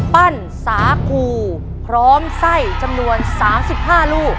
สาคูพร้อมไส้จำนวน๓๕ลูก